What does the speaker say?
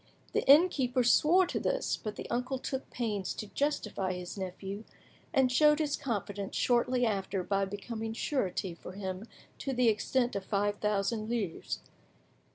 The innkeeper swore to this, but the uncle took pains to justify his nephew, and showed his confidence shortly after by becoming surety for him to the extent of five thousand livres.